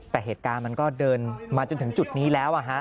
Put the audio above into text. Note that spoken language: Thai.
แต่เหตุการณ์มันก็เดินมาจนถึงจุดนี้แล้ว